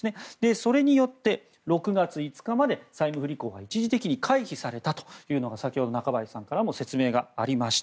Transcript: それによって６月５日まで債務不履行が一時的に回避されたというのが先ほど中林さんからも説明がありました。